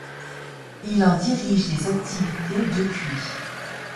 Il en dirige les activités depuis.